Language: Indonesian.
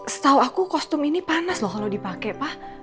setau aku kostum ini panas loh kalo dipake pak